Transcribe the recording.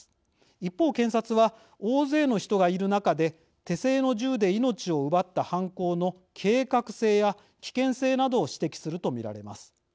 一方検察は大勢の人がいる中で手製の銃で命を奪った犯行の計画性や危険性などを指摘すると見られます。